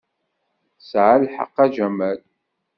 Tesɛa lḥeqq, a Jamal.